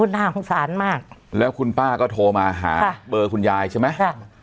น่าสงสารมากแล้วคุณป้าก็โทรมาหาเบอร์คุณยายใช่ไหมค่ะ